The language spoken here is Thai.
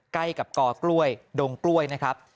ใกล้กับกอกล้วยดงกล้วยนะครับ